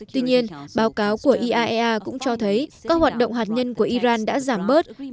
tuy nhiên báo cáo của iaea cũng cho thấy các hoạt động hạt nhân của iran đã giảm bớt